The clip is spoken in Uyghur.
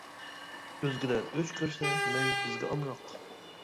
ئۆزگىلەر ئۆچ كۆرسە مەي بىزگە ئامراق.